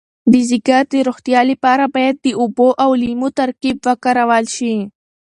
د ځیګر د روغتیا لپاره باید د اوبو او لیمو ترکیب وکارول شي.